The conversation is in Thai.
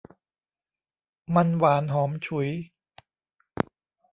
มันหวานหอมฉุย